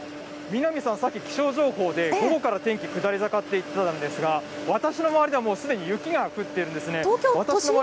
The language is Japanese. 南さん、さっき気象情報で、午後から天気下り坂って言ってたんですが、私の周りではもうすでに雪が降っているんで東京都心？